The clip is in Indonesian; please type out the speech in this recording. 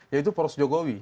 yaitu poros jokowi